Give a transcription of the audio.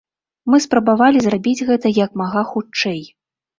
Мы спрабавалі зрабіць гэта як мага хутчэй.